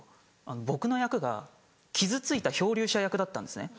僕の役が傷ついた漂流者役だったんですね。